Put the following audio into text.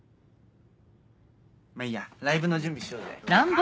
まぁいいやライブの準備しようぜ。